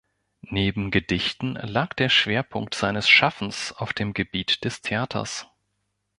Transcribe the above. Neben Gedichten lag der Schwerpunkt seines Schaffens auf dem Gebiet des Theaters.